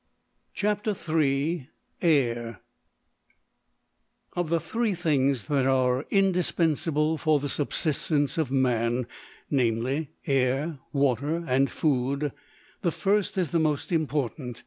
CHAPTER III AIR Of the three things that are indispensable for the subsistence of man, namely, air, water, and food the first is the most important.